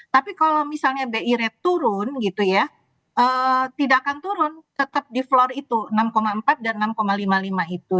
tapi kalau misalnya bi rate turun gitu ya tidak akan turun tetap di floor itu enam empat dan enam lima puluh lima itu